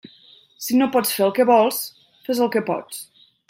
Si no pots fer el que vols, fes el que pots.